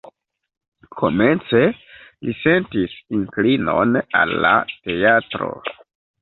Komence li sentis inklinon al la teatro.